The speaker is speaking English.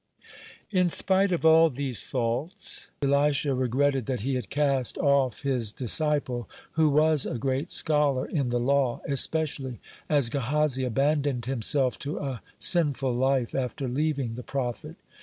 (16) In spite of all these faults, Elisha regretted that he had cast off his disciple, who was a great scholar in the law, especially as Gehazi abandoned himself to a sinful life after leaving the prophet.